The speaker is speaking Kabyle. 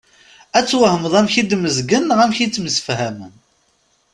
Ad twehmeḍ amek i d-mmezgen neɣ amek i ttemsefhamen.